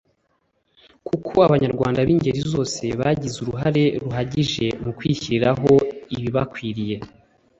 kuko abanyarwanda b'ingeri zose bagize uruhare ruhagije mu kwishyiriraho ibibakwiriye